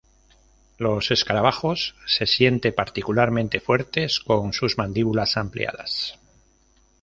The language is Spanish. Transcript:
Los escarabajos se siente particularmente fuertes con sus mandíbulas ampliadas.